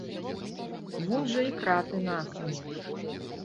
Вунь жа і краты на акне.